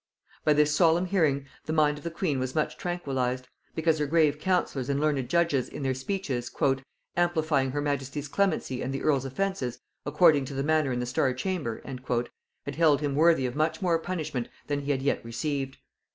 By this solemn hearing the mind of the queen was much tranquillized; because her grave councillors and learned judges in their speeches, "amplifying her majesty's clemency and the earl's offences, according to the manner in the Star chamber," had held him worthy of much more punishment than he had yet received.